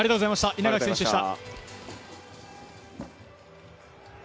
稲垣選手でした。